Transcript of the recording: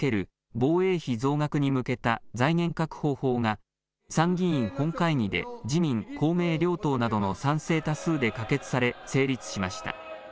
防衛費増額に向けた財源確保法が参議院本会議で自民・公明両党などの賛成多数で可決され成立しました。